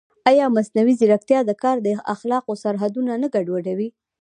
ایا مصنوعي ځیرکتیا د کار د اخلاقو سرحدونه نه ګډوډوي؟